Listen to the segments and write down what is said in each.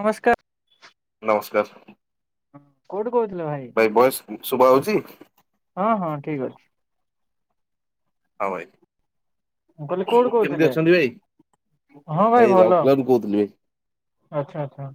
ନମସ୍କାର। ନମସ୍କାର [unintelligible] ହଁ କୋଉଠୁ କହୁଥିଲ ଭାଇ? ଭଏସ ଶୁଭା ଯାଉଛି? ହଁ ହଁ ଠିକ ଅଛି। ହଁ ଭାଇ ମୁଁ କହିଲି କୋଉଠୁ କେମିତି କହୁଥିଲେ? ଅଛନ୍ତି ଭାଇ ହଁ ଭାଇ ଭଲ ରାଉକେଲାରୁ କହୁଥିଲି ଭାଇ ଆଚ୍ଛା ଆଚ୍ଛା।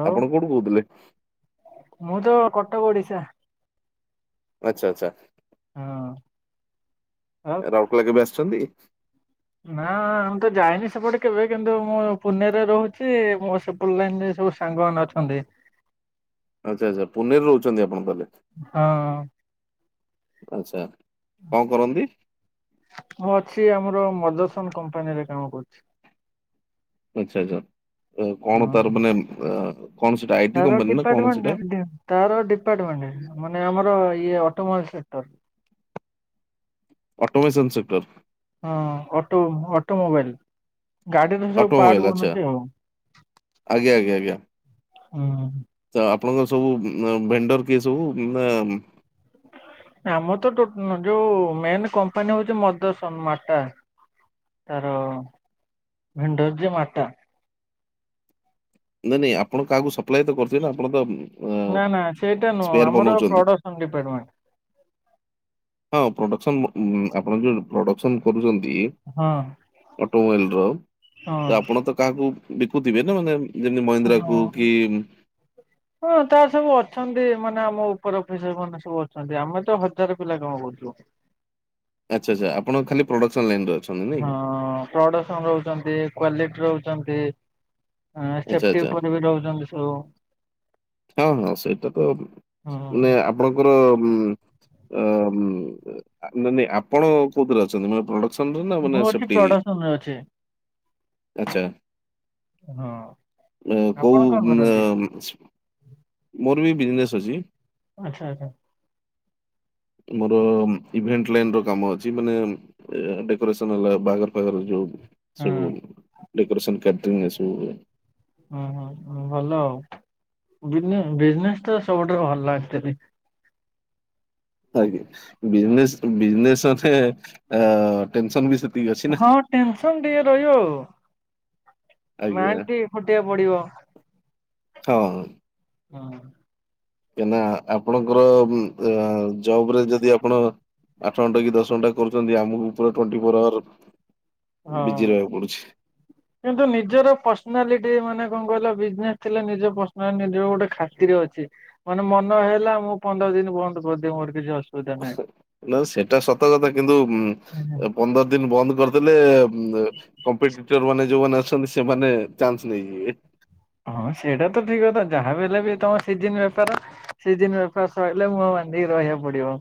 ଆଉ ଆପଣ କୋଉଠୁ କହୁଥିଲେ? ମୁଁ ତ କଟକ ଓଡିଶା ଆଚ୍ଛା ଆଚ୍ଛା। ହଁ। ଆଉ ରାଉରକେଲା କେବେ ଆସିଛନ୍ତି? ନା ମୁଁ ତ ଯାଇନି ସେପଟେ କେବେ କିନ୍ତୁ ମୁଁ ପୁନେରେ ରହୁଛି ମୁଁ ସେ ଅନଲାଇନ ରେ ସବୁ ସାଙ୍ଗମାନେ ଅଛନ୍ତି। ଆଚ୍ଛା ଆଚ୍ଛା ପୁନେରେ ରହୁଛନ୍ତି ଆପଣ ତାହେଲେ। ହଁ ଆଚ୍ଛା କଣ କରନ୍ତି? ମୁଁ ଅଛି ଆମର ମଦସନ କମ୍ପାନୀରେ କାମ କରୁଛି। ଆଚ୍ଛା ଆଛା କଣ ହଁ। ତାର ମାନେ କଣ ସେଟା ଆଇଟି ତାର କମ୍ପାନୀ ନା କଣ ସେଟା। ଡିପାର୍ଟମେଣ୍ଟ ତାର ଡିପାର୍ଟମେଣ୍ଟ ମାନେ ଆମର ଇଏ ଅଟୋମୋବାଇଲ ସେକ୍ଟର। ଅଟୋମେସନ ସେକ୍ଟର ହଁ ଅଟୋ ଅଟୋମୋବାଇଲ। ଗାଡିର ସବୁ ଅଟୋମୋବାଇଲ ପାର୍ଟ ଆଚ୍ଛା ବନୁଛି ଆଉ ଆଜ୍ଞା ଆଜ୍ଞା ଆଜ୍ଞା। ହୁଁ ତ ଆପଣଙ୍କର ସବୁ ଭେଣ୍ଡର କିଏ ସବୁ ମ ଆମର ତ ଯୋଉ ମେନ କମ୍ପାନୀ ହଉଛି ମଦସନ ମାଟା। ତାର ଭେଣ୍ଡର ଯେ ମାତା। ନାଇଁ ନାଇଁ ଆପଣ କାହାକୁ ସପ୍ଲାଏ ତ କରୁଥିବେ ନା ଆପଣ ତ ନା ନା ସେଇଟା ନୁହଁ ସ୍ପେୟାର ଆମର ବନଉଛନ୍ତି। Production department. ହଁ ପ୍ରଡକ୍ସନ ଆପଣ ଯୋଉ ପ୍ରଡକ୍ସନ କରୁଛନ୍ତି ହଁ ଅଟୋମୋବାଇଲ ର ହଁ ଆପଣ ତ କାହାକୁ ବିକୁଥିବେ ନା ମାନେ ଯେମିତି ମହିନ୍ଦ୍ରା କୁ ହଁ। କି ହଁ ତାର ସବୁ ଅଛନ୍ତି ମାନେ ଆମ ଉପର ଅଫିସର ମାନେ ସବୁ ଅଛନ୍ତି ଆମେ ତ ହଜାର ପିଲା କାମ କରୁଛୁ। ଆଚ୍ଛା ଆଚ୍ଛା ଆପଣ ଖାଲି ପ୍ରଡ଼କ୍ସନ୍ ଲାଇନ ଅଛନ୍ତି ହଁ ନାଇଁ କି। ପ୍ରଡକ୍ସନ ରହୁଛନ୍ତି କ୍ଵାଲିଟି ରହୁଛନ୍ତି ଆଚ୍ଛା ସେଫ୍ଟି ଆଚ୍ଛା ଉପରେ ବି ରହୁଛନ୍ତି। [unintelligible] ହଁ ହଁ ସେଇଟା କ ମାନେ ହଁ। ଆପଣଙ୍କର ନା ନା ଆପଣ କୋଉଥିରେ ଅଛନ୍ତି ମାନେ ପ୍ରଡ [unintelligible] ମୁଁ ମାନେ ଅଛି ସେପଟି। ପ୍ରଡକ୍ସନରେ ଅଛି ଆଛା ହଁ ଆପଣ କୋଉ କଣ କରନ୍ତି ନ ମୋର ବି ବିଜନେସ୍ ଅଛି। ଆଚ୍ଛା ଆଚ୍ଛା। ମୋର ଇଭେଣ୍ଟ ଲାଇନ ର କାମ ଅଛି ମାନେ ଡେକୋରେସନ ହେଲା ବାଘର ଫାଗର ଯୋଉ ହଁ ସବୁ ଡକୋରେସନ ଫ୍ୟାକ୍ଟ୍ରି ନା ସବୁ ହୁଁ ହୁଁ ଭଲ ଆଉ ବିଜନେସ ତ ସବୁଠାରୁ ଭଲ ଆକଚୁଆଲି। ଆଜ୍ଞା ବିଜନେସ୍ ବିଜନେସ ଅଛେ ଟେନସନ ବି ସେତିକି ଅଛି ନା। ହଁ ଟେନସନ ଟିକେ ରହିବ ଆଉ। ଆଜ୍ଞା ମାଣ୍ଟି ଖଟିବା ପଡିବ ହଁ ହୁଁ। କଁ ନା ଆପଣଙ୍କର ଜବ ରେ ଯଦି ଆପଣ ଆଠ ଘଣ୍ଟା କି ଦଶ ଘଣ୍ଟା କରୁଛନ୍ତି ଆମକୁ ଉପ ଟ୍ୱଣ୍ଟି ଫୋର୍ ଆୱାର ବିଜି ହଁ। ରହିବାକୁ ପଡୁଛି। କିନ୍ତୁ ନିଜର ପର୍ସନାଲିଟି ମାନେ କଣ କହିଲ ବିଜନେସ ଥିଲେ ନିଜ ପର୍ସନାଲି ନିଜ ଗୋଟେ ଖାତିର ଅଛି। ମାନେ ମନ ହେଲା ମୁଁ ପନ୍ଦର ଦିନ ବନ୍ଦ କରିଦିଏ ମୋର କିଛି ଅସ ନା ସେଇଟା ସତ କଥା କିନ୍ତୁ ପନ୍ଦର ଦିନ ବନ୍ଦ କରିଦଲେ କଂପି ଟିଟର ମାନେ ଯୋଉମାନେ ଅ ତ ସେମାନେ ଚାନ୍ସ ନେଇଯିବେ। ହଁ ସେଇଟା ତ ଠିକ କଥା ଯାହା ବଲେ ବି ତମ ସିଜିନ ବେପାର ସିଜିନ ବର ସରିଲେ ମୁଁହ ବାନ୍ଧିକି ରହିବାକୁ ପଡିବ।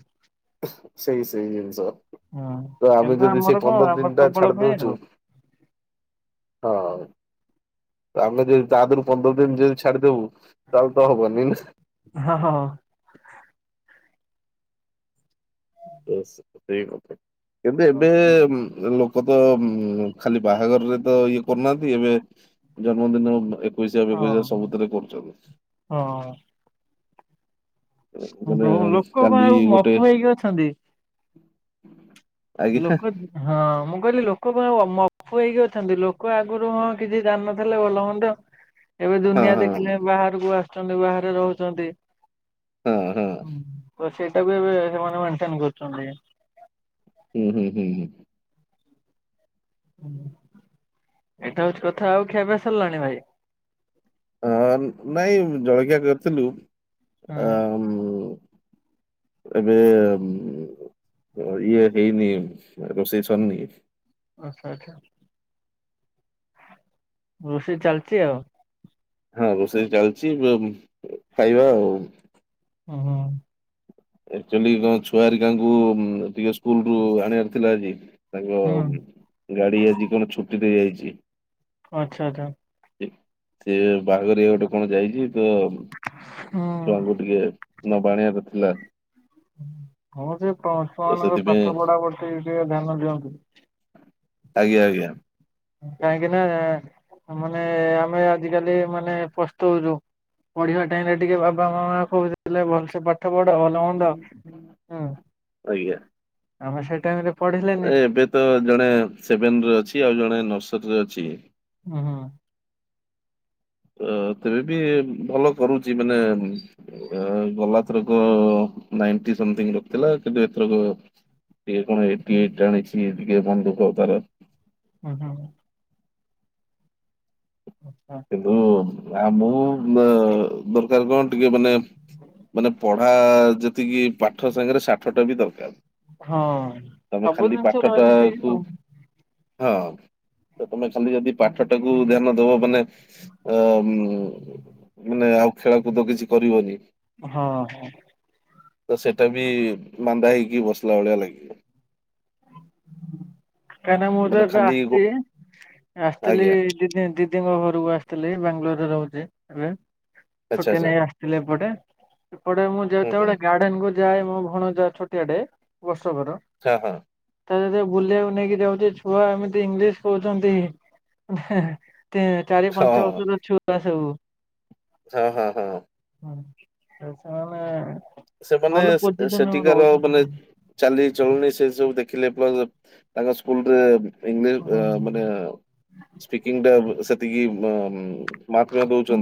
ସେଇ ସେଇ ଜିନିଷ ହଁ ତ ଆମେ କିନ୍ତୁ ଯଦି ଆମର ସେଇ କଣ ପନ୍ଦର ଆମର ଦିନ ଟା ସବୁବେଳ ଛାଡି ପାଇଁ ଦଉଛୁ ଆଉ। ହଁ ଆମେ ଯଦି ତା ଦହରୁ ପନ୍ଦର ଦିନ ଯଦି ଛାଡିଦବୁ ତାହେଲେ ତ ହବନି ନା। ହଁ ହଁ ହଁ। ସେଇ କଥା ଏବେ ଏବେ ଆଚ୍ଛା। ଲୋ ଲୋକ ତ ଉ ଖାଲି ବାହାଘରରେ ତ ଇଏ କରୁନାହାନ୍ତି ଏବେ ଜନ୍ମଦିନ ଏକୋଇଶିଆ ଫେକୋଇଶିଆ ହଁ ସବୁଥିରେ କରୁଛନ୍ତି ହଁ। ମାନେ ବ୍ରୋ- ଲୋକ କଣ କାଲି ଆଉ ଗୋଟେ ମଫୁ ହେଇକି ଅଛନ୍ତି। ଆଜ୍ଞା ଲୋକ ହଁ ମୁଁ କହିଲି ଲୋକ କଣ ମଫୁ ହେଇକି ଅଛନ୍ତି, ଲୋକ ଆଗରୁ ହଁ କିଛି ଜାନିନଥିଲେ ଭଲ ମନ୍ଦ ଏବେ ହଁ ଦୁନିଆ ଦେଖିଲେ, ହଁ ବାହାରକୁ ଆସୁଛନ୍ତି ବାହାରେ ରହୁଛନ୍ତି। ହଁ ହଁ ତ ସେଇଟାକୁ ଏବେ ସେମାନେ ମେନଟେନ୍ କରୁଛନ୍ତି। ହୁଁ ହୁଁ ହୁଁ ହୁଁ। ହୁ ଏଇଟା ହଉଛି କଥା ଆଉ ଖିଆ ପିଆ ସରିଲାଣି ଭାଇ? ଅ ନାଇଁ ଜଳଖିଆ କରିଥିଲୁ ହଁ ଆ ଏବେ ଇଏ ହେଇନି ରୋଷେଇ ସରିନି। ଆଚ୍ଛା ଆଚ୍ଛା। ରୋଷେଇ ଚାଲିଛି ଆଉ। ହଁ ରୋଷେଇ ଚାଲିଛି, ଖାଇବା ଆଉ। ହୁଁ। ଆଚୁଆଲି କଣ ଛୁଆର ଟାଙ୍କୁ ଟିକେ ସ୍କୁଲରୁ ଆଣିବାର ଥିଲା ଆଜି। ତାଙ୍କ ହୁଁ। ଗାଡି ଆଜି କଣ ଛୁଟି ଦେଇ ଯାଇଛି। ଆଚ୍ଛା ଆଚ୍ଛା। ସେ ବାହାଘରିଆ ଗୋଟେ କଣ ଯାଇଛି ତ। ହୁଁ ଛୁଆଙ୍କୁ ଟିକେ ନବାଆଣିଆ କରିଥିଲା। ହଁ ସେ ପ ତ ଛୁଆନଙ୍କ ସେଥିପାଇଁ ପାଠ ପଢା ପଢତିି ଟିକେ ଧ୍ୟାନ ଦିଅନ୍ତୁ। ଆଜ୍ଞା ଆଜ୍ଞା। କାହିଁକି ନା ମାନେ ଆମେ ଆଜିକାଲି ମାନେ ପସ୍ତଉଛୁ। ପଢିବା ଟାଇମ ରେ ଟିକେ ବାପା ମାମା କହୁଥିଲେ ଭଲସେ ପା। ଏତେ ବଡ଼ ଭଲ ମନ୍ଦ ହଁ ତମେ ସେ ଟାଇମ୍ ରେ ପଢିଲେନି ଏବେତ ଜଣେ ସେଭେନରେ ଅଛି ଆଉ ଜଣେ ନର୍ସରୀରେ ଅଛି। ଓ ହଁ। ଅ ତେବେ ବି ଭଲ କରୁଛି ମାନେ। ଗଲାଥରକ ନାଇଟିଥିଙ୍ଗ ରଖିଥିଲା କିନ୍ତୁ ଏଥରକ ଟିକେ କଣ ଏଇଟି ଏଇତ୍ ଆଣିଛି ଟିକେ ମନ ଦୁଃଖ ତାର। ହଁ ହଁ। ଆଚ୍ଛା। ଓ ଆ ମୁଁ ଦ ଦରକାର କଣ ଟିକେ ମାନେ ମାନେ ପଢା ଯେତିକି ପାଠ ସାଙ୍ଗରେ ସାଠ ଟା ବି ଦରକାର। ହଁ। ତମେ ସବୁ ଖାଲି ଜିନିଷ ପାଠ ରହିଲେ ଠିକ ଟାକୁ ଆଉ ହଁ ତ ତମେ ଖାଲି ଯଦି ପାଠ ଟାକୁ ଧ୍ୟାନ ଦବ କୋ ମାନେ ଅ ମାନେ ଆଉ ଖେଳକୁଦ କିଛି କରିବନି। ହଁ ହଁ। ତ ସେଟା ବି ମାନ୍ଦା ହେଇକି ବସିଲା ଭଳିଆ ଲାଗି। କାହିଁକ ନା ମୁଁ ତ ମାନେ ଏବେ ଖାଲି ଗୋ ଆସିଛି ଆସି ଆଜ୍ଞା। [unintelligible] ଦି ଦିଦିଙ୍କ ଘରକୁ ଆସିଥିଲି ବାଙ୍ଗାଲୋରରେ ରହୁଛି ଏବେ। ଆଚ୍ଛା, ଛୁଟି ଆଚ୍ଛା। ନେଇ ଆସିଥିଲେ ଏପଟେ ଏପଟେ ମୁଁ ହୁଁ, ହୁଁ। ଯେତେବେଳେ ଗାର୍ଡେନ କୁ ଯାଏ ମୋ ଭଣଯା ଛୋଟିଆଟେ ବର୍ଷକର। ହଁ ହଁ। ତା ସହିତ ବୁଲିବାକୁ ନେଇକି ଯାଉଛି ଛୁଆ ଏମିତି ଇଂଲିଶ କହୁଛନ୍ତି। ହେ ତେ ଚାରି ପାଞ୍ଚ ହଁ, ବର୍ଷର ଛୁଆ ସବୁ। ହଁ ହଁ ହଁ। ହୁଁ ସେମାନେ ସେମାନେ ଭଲ ପୋଜିସନ ସେଠିକାର ମାନେ ରହୁଛନ୍ତି। ଚାଲି ଚଳୁଣି ସେ ସବୁ ଦେଖିଲେ ପ୍ଲସ୍ ତାଙ୍କ ସ୍କୁଲରେ ଇଂଲିଶ ମାନେ ସ୍ପିକିଙ୍ଗଟା ସେତିକି ବନ୍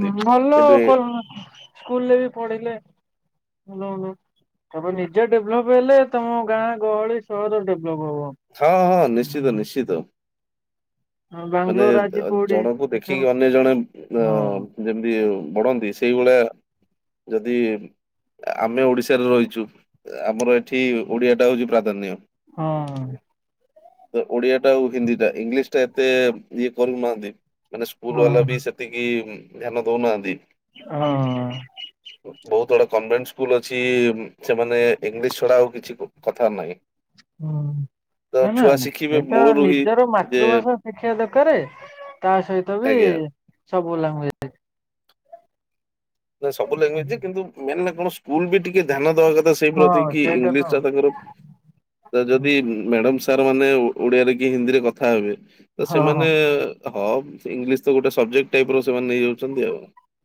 ହୁଁ ଭଲ କରୁନ ସ୍କୁଲରେ ବି ପଢିଇଲେ ଭଲ ଭଲ। ତମେ ନିଜେ ଡେଭଲପ୍ ହେଲେ ତମ ଗାଁ ଗହଳି ସହର ଡେଭଲପ୍ ହବ। ହଁ ହଁ ନିଶ୍ଚିତ ନିଶ୍ଚିତ। ହଁ ମାନେ ବାଙ୍ଗାଲୋର ଆଜି କୋଉଠି ଜଣଙ୍କୁ ଦେଖିକି ଅନ୍ୟ ଜଣେ ଅ ହଁ ଯେମିତି ବଢ଼ନ୍ତି ସେଇଭଳିଆ ଯଦି ଆମେ ଓଡିଶାରେ ରହିଚୁ ଆମର ଏଠି ଓଡିଆଟା ହଉଚି ପ୍ରାଧାନ୍ୟ। ହଁ। ତ ଓଡିଆ ଟା ଆଉ ହିନ୍ଦୀ ଟା ଇଂଲିଶ ଟା ଏତେ ଇଏ କରୁନାହାନ୍ତି। ମାନେ ସ୍କୁଲ ବାଲା ହଁ ବି ସେତିକି ଧ୍ୟାନ ଦଉନାହାନ୍ତି। ହଁ। ହ। ବହୁତ ଆଡା କନଭେଣ୍ଟ୍ ସ୍କୁଲ ଅଛି ସେମାନେ ଇଂଲିଶ ଛଡା ଆଉ କିଛି କୁ କଥା ନାହିଁ। ହୁଁ ତ ନା ଛୁଆ ନା ଶିଖିବେ ସେଇଟା ମୂଳରୁ ହିଁ ନିଜର ଯେ ମାତୃଭାଷା ସେ ଶିଖିବା ଦରକରେ। ତା ସହିତ ବି ଆଜ୍ଞା। ସବୁ ଲାଙ୍ଗୁଏ ନା ସବୁ ଲାଙ୍ଗୁଏଜ ଯେ କିନ୍ତୁ ମେନ ହେଲା କଣ ସ୍କୁଲ ବି ଟିକେ ଧ୍ୟାନ ଦବା କଥା ସେଇ ହଁ ପ୍ରତିକି ସେଇଟା ତ ଇଂଲିଶ ଟା ତାଙ୍କର ତ ଯଦି ମ୍ୟାଡମ ସାର୍ ମାନେ ଓଡିଆରେ କି ହିନ୍ଦୀରେ କଥା ହେବେ ତ ହଁ ହଁ। ସେମାନେ ହଁ ଇଂଲିଶ ତ ଗୋଟେ ସବଜେକ୍ଟ ଟାଇପ ର ସେମାନେ ନେଇ ଯାଉଚନ୍ତି ଆଉ।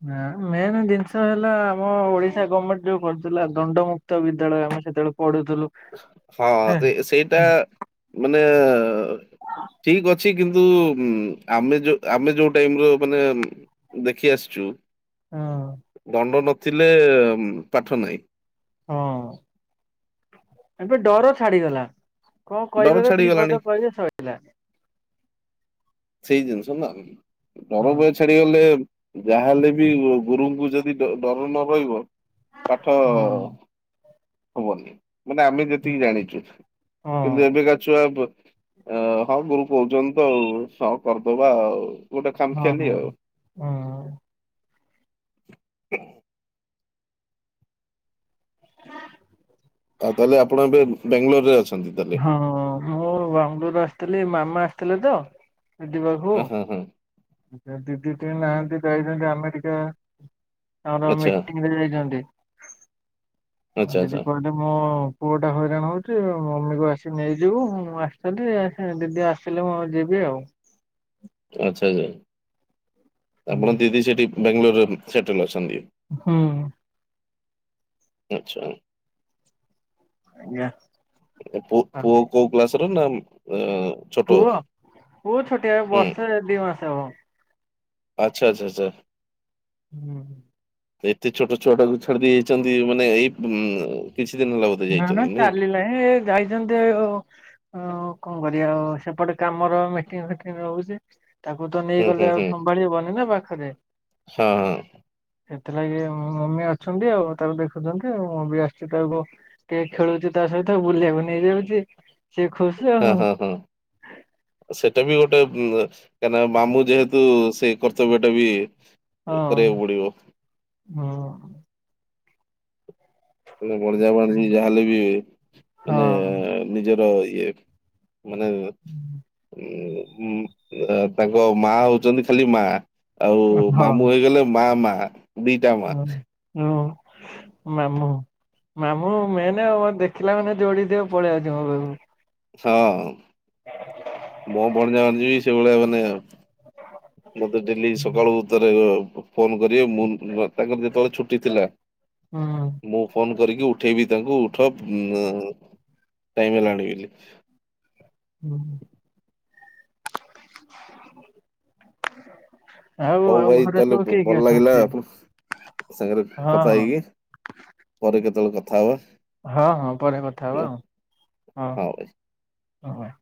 ନା ମେନ୍ ଜିନିଷ ହେଲା ଆମ ଓଡିଶା ଗମେଣ୍ଟ୍ ଯୋଉ କରିଥିଲା ଦଣ୍ଡମୁକ୍ତ ତ ବିଦ୍ୟାଳୟ ଆମେ ସେତବେଳେ ପଢୁଥିଲୁ। ହଁ ସେଇଟା ମାନେ ଠିକ୍ ଅଛି। ଅଛି କିନ୍ତୁ ଆମେ ଯୋଉ ଆମେ ଯୋଉ ଟାଇମ୍ ର ମାନେ ଦେଖି ଆସିଚୁ। ହୁଁ। ଦଣ୍ଡ ନଥିଲେ ପାଠ ନାହିଁ। ହଁ ଏବେ ଡର ଛାଡିଗଲା। କଣ ଡର କହିବେ ତ ଦି ଛାଡିଗଲାଣି ପଦ କହିବେ ସଇଲା। ସେଇ ଜିନିଷ ନା ହଁ ଡ଼ର ଭୟ ଛା ଡିଗଲେ ଯାହାହେଲେ ବି ଗୁରୁଙ୍କୁ ଯଦି ଡ଼ ଡର ନ ରହିବ ପାଠ ହଁ ହବନି ମାନେ ଆମେ ଯେତିକି ଜାଣିଚୁ। ହଁ। ଏବେକା ଛୁଆ ହଁ ଗୁରୁ କହୁଚନ୍ତି ତ ଆଉ ହଁ କରିଦବା ଆଉ। ଗୋଟେ ହଁ ଖାମଖିଆଲି ଆଉ। ହୁଁ। ଆଉ ତାହେଲେ ଆପଣ ଏବେ ବାଙ୍ଗଲୋରରେ ଅଛନ୍ତି। ତାହେଲେ? ହଁ ମୁଁ ବାଙ୍ଗଲୋରୁ ଆସିଥିଲି ମାମା ଆସିଥିଲେ ତ ଦିଦି ପାଖୁକୁ। ଅ ହଁ ହଁ ଦିଦି ହେରିକା ନାହାଁନ୍ତି ଯାଇଛନ୍ତି ଆମେରିକା। ଆମର ଆଚ୍ଛା ମିଟିଂରେ ଯାଇଚନ୍ତି ଆ ଆଚ୍ଛା ଦିଦି ଆଚ୍ଛା [unintelligible] ହେଲେ ମୋ ପୁଅଟା ହଇରାଣ ହଉଚି। ମମିକୁ ଆସି ନେଇଯିବୁ। ମୁଁ ଆସିଥିଲି ସେ ଦିଦି ଆସ ସିଲେ ମୁଁ ଆଉ ଯିବି ଆଉ। ଆଚ୍ଛା- ଆଚ୍ଛା ହୁଁ। ଆପଣ ଦିଦି ସେଠି ବାଙ୍ଗାଲୋରରେ ସେଟେଲ୍ ଅଛନ୍ତି। ହୁଁ। ଆଚ୍ଛା। ଆଜ୍ଞା। ପୁଅ ଆ ପୁଅ କୋଉ କ୍ଲାସ ର ନା ଆଁ ପୁଅ ପୁଅ ଛୋଟିଆ ବର୍ଷେ ଦି ମାସେ ହବ। ଆଚ୍ଛା -ଆଚ୍ଛା -ଆଚ୍ଛା। ହୁଁ। ଏତେ ଛୋଟ ଛୁଆ ଟାକୁ ଛାଡିଦେଇ ଯାଇଛନ୍ତି ମାନେ ଏଇ କିଛି ଦିନ ହେଲା ବୋଧେ ମାନେ ଯାଇଛନ୍ତି ନାଇଁ ଚାଲିଲା ଏ ଯାଇଛନ୍ତି ଓ ହଉ କଣ କରିବା ଆଉ ସେପଟେ କାମର ମିଟିଂ ଫିଟିଙ୍ଗ ରହୁଛି। ତାକୁ ତ ହୁଁ ହୁଁ ନେଇଗଲେ ଆଉ ହୁଁ ସମ୍ଭାଳି ହବନି ନା ପାଖରେ। ହଁ ହଁ ସେଥିଲାଗି ମମି ଅଛନ୍ତି ଆଉ ତାକୁ ଦେଖୁଛନ୍ତି ଆଉ ମମି ବି ଆସିଛି ତାକୁ କେ ଖେଳୁଚି ତା ସହିତ ବୁଲିବାକୁ ନେଇଯାଉଛି। ସିଏ ଖୁସି ହଁ, ଆଉ ହଁ, ହଁ ସେଟା ବି ଗୋଟେ କାଇଁ ନା ମାମୁଁ ଯେହେତୁ ସେଇ କର୍ତ୍ତବ୍ୟ ଟା ବି ହଁ, କରିବାକୁ ପଡିବ। ହଁ ମାନେ ବଣଜା ବାଣିଜି ଯାହାହେଲେ ବି ହଁ ମାନେ ନିଜର ଇଏ ମାନେ ଉ ଉଁ ତାଙ୍କ ମା ହଉଛନ୍ତି ଖାଲି ମା ଆଉ ମାମୁଁ ହେଇଗଲେ ମା ମା। ଦିଟା ମା ହଁ ହଁ। ମାମୁଁ ମାମୁଁ ମେନ ଆଉ ଦେଖିଲା ମାନେ ଯୋଉଠି ଥିବ ପଳେଇ ଆସିବ ମୋ ପାଖକୁ। ହଁ। [inaudible] ମୋ ଭଣଜା ଭାଣିଜି ବି ସେଇଭଳିଆ ମାନେ ମତେ ଡେଲି ସକାଳୁତରେ ଫୋନ କରିବେ ମୁ ତାଙ୍କର ଯେତେ ବେଳେ ଛୁଟି ଥିଲା ହଁ। ମୁଁ ଫୋନ କରିକି ଉଠେଇବି ତାଙ୍କୁ ଉଠ ଟାଇମ ହେଲାଣି ବଲି। ହୁଁ। ଆଉ ହଉ ଆଉ ଭାଇ ଘରେ ତାହେଲେ ସବୁ ବୋ କିଏ କିଏ ଭଲ ଲାଗିଲା ଅଛନ୍ତି? ଆପଣ ସାଙ୍ଗରେ ହଁ କଥା ହଁ ହେଇକି। ପରେ କେତେ ବେଳେ କଥା ହବା। ହଁ ହଁ ପରେ କଥା ହବା ଆଉ ହଉ। ହଁ ଅ ହ।